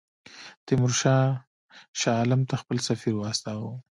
تیمورشاه شاه عالم ته خپل سفیر واستاوه.